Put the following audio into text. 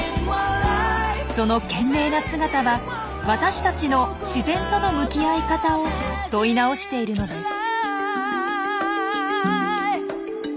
その懸命な姿は私たちの自然との向き合い方を問い直しているのです。